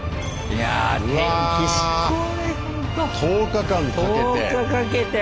１０日かけて？